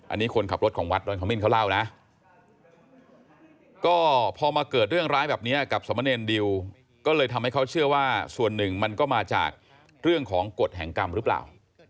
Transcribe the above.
อันนี้คนขับรถของวัดดอนขมิ้นเขาเล่านะก็พอมาเกิดเรื่องร้ายแบบนี้กับสมเนรดิวก็เลยทำให้เขาเชื่อว่าส่วนหนึ่งมันก็มาจากเรื่องของกฎแห่งกรรมหรือเปล่า